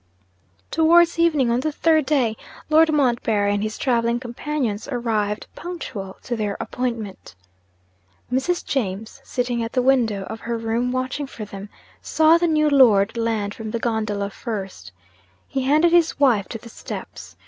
Towards evening on the third day, Lord Montbarry and his travelling companions arrived, punctual to their appointment. 'Mrs. James,' sitting at the window of her room watching for them, saw the new Lord land from the gondola first. He handed his wife to the steps.